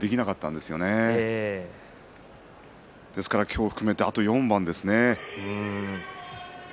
ですから今日を含めてあと４番ですね。